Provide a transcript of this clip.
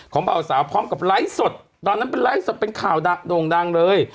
ของเบาสาวพร้อมกับไร้สดตอนนั้นเป็นไร้สดเป็นข่าวดังโด่งดังเลย